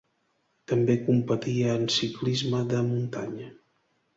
També competia en ciclisme de muntanya.